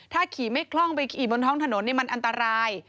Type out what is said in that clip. ถ้าขี่ไม่คล่องไปขี่บนท้องถนนมันอันตราย